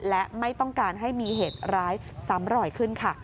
และไม่ต้องการให้มีเหตุร้ายซ้ำรอยขึ้นค่ะ